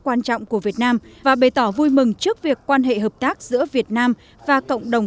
quan trọng của việt nam và bày tỏ vui mừng trước việc quan hệ hợp tác giữa việt nam và cộng đồng